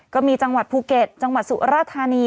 จังหวัดภูเก็ตจังหวัดสุราธานี